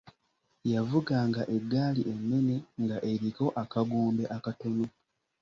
Yavuga nga eggaali ennene nga eriko akagoombe akatono.